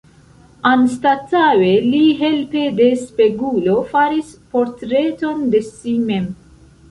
Anstataŭe, li helpe de spegulo faris portreton de si mem.